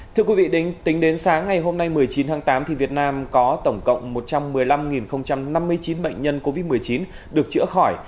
thưa quý vị tính đến sáng ngày hôm nay một mươi chín tháng tám việt nam có tổng cộng một trăm một mươi năm năm mươi chín bệnh nhân covid một mươi chín được chữa khỏi